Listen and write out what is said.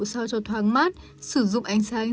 so cho thoáng mát sử dụng ánh sáng